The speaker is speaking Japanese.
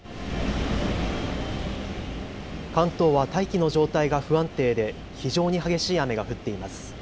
関東は大気の状態が不安定で非常に激しい雨が降っています。